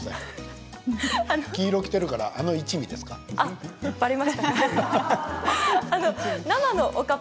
黄色着てるからあの一味ですか。